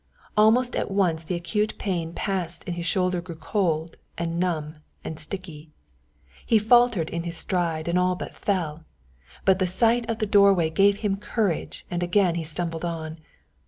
Almost at once the acute pain passed and his shoulder grew cold and numb and sticky. He faltered in his stride and all but fell, but the sight of the doorway gave him courage and again he stumbled on.